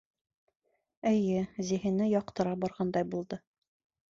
Эйе, зиһене яҡтыра барғандай булды.